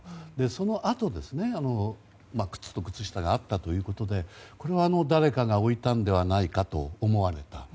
そのあと靴と靴下があったということでこれは、誰かが置いたのではないかと思われた。